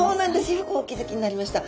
よくお気づきになりました。